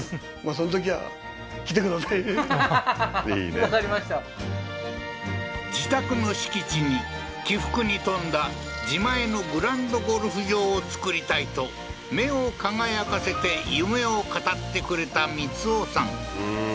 その時は来て下さいははははっ分かりました自宅の敷地に起伏に富んだ自前のグランドゴルフ場を造りたいと目を輝かせて夢を語ってくれた光夫さん